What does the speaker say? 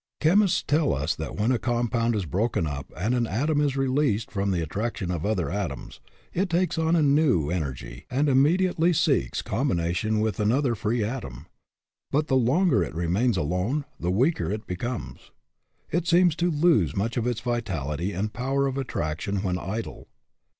Chemists tell us that when a compound is broken up and an atom is released from the attraction of other atoms, it takes on new en ergy and immediately seeks combination with another free atom; but the longer it remains alone, the weaker it becomes. It seems to lose much of its vitality and power of attraction when idle.